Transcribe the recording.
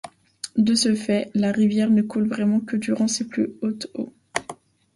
De ce fait, la rivière ne coule vraiment que durant ses plus hautes eaux.